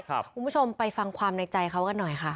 คุณผู้ชมไปฟังความในใจเขากันหน่อยค่ะ